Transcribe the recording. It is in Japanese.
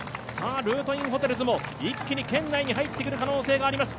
ルートインホテルズも一気に圏内に入ってくる可能性があります。